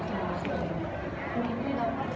พี่แม่ที่เว้นได้รับความรู้สึกมากกว่า